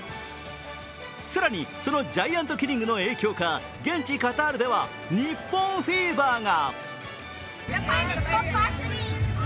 更に、そのジャイアントキリングの影響か、現地カタールでは日本フィーバーが。